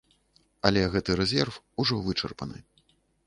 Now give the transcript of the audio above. Але гэты рэзерв ужо вычарпаны.